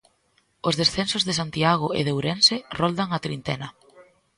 Os descensos de Santiago e de Ourense roldan a trintena.